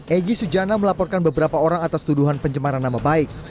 egy sujana melaporkan beberapa orang atas tuduhan pencemaran nama baik